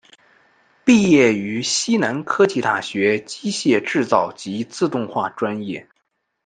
毕业于西南科技大学机械制造及自动化专业。